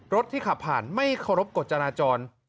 รถที่ขับผ่านไม่เคารพกฎจราจร